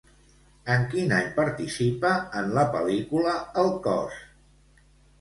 En quin any participa en la pel·lícula "El cos"?